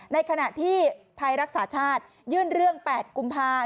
ในขณะที่ไทยรักษาชาติยื่นเรื่อง๘กุมภา